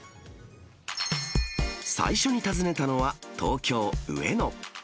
最初に訪ねたのは、東京・上野。